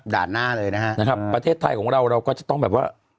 หน้าเลยนะฮะประเทศไทยของเราเราก็จะต้องแบบว่า